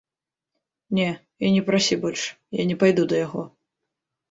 Не, і не прасі больш, я не пайду да яго.